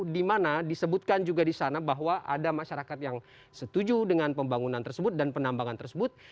di mana disebutkan juga di sana bahwa ada masyarakat yang setuju dengan pembangunan tersebut dan penambangan tersebut